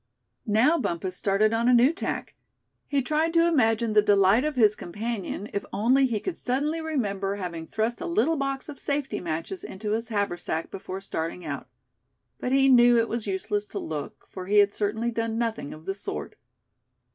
Now Bumpus started on a new tack. He tried to imagine the delight of his companion if only he could suddenly remember having thrust a little box of safety matches into his haversack before starting out; but he knew it was useless to look, for he had certainly done nothing of the sort.